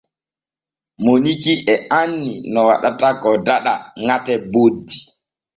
Moniki e anni no waɗata ko daɗa ŋate boddi.